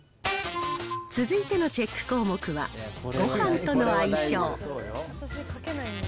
続いてのチェック項目は、ごはんとの相性。